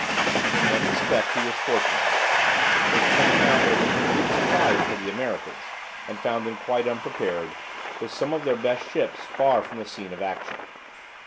In one respect he was fortunate. His coming out was a complete surprise for the Americans, and found them quite unprepared, with some of their best ships far from the scene of action.